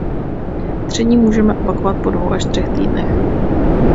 Tření můžeme opakovat po dvou až třech týdnech.